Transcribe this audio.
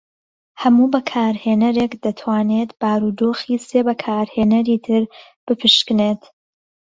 هەموو بەکارهێەرێک دەتوانێت بارودۆخی سێ بەکارهێنەری تر بپشکنێت.